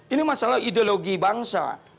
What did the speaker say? ini masalah ideologi bangsa